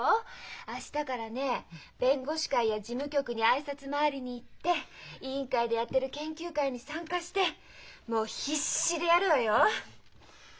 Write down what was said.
明日からね弁護士会や事務局に挨拶回りに行って委員会でやってる研究会に参加してもう必死でやるわよ！